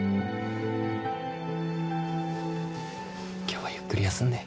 今日はゆっくり休んで。